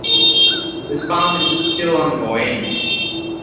This fund is still ongoing.